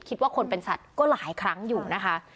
คิดว่าคนเป็นสัตว์ก็หลายครั้งอยู่นะคะ